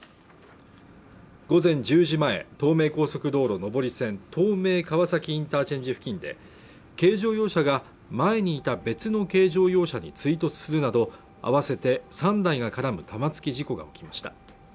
午前１０時前東名高速道路上り線東名川崎ＩＣ付近で軽乗用車が前にいた別の軽乗用車に追突するなど合わせて３台が絡む玉突き事故が起きました